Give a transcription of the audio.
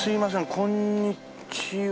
こんにちは。